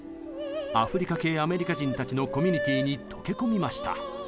アフリカ系アメリカ人たちのコミュニティーに溶け込みました。